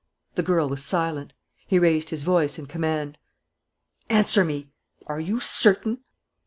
The girl was silent. He raised his voice in command: "Answer me! Are you certain?"